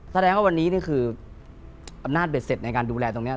แสดงว่าวันนี้คืออำนาจเบ็ดเสร็จในการดูแลตรงนี้